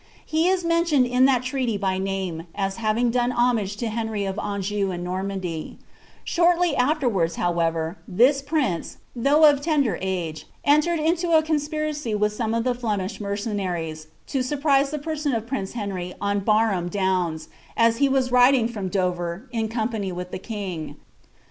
He is mentioned in thai treaty by name, aa having done boffis^ lo Henry of Anjou and Normandy Shortly afterwards, however, thn prince, though offender aee, entered into a conspiracy with Bome of lb* Flemish mercenaries, to surprise the person of prince Henry on Barham Cowns, as he was riding from Dover, in company with the king.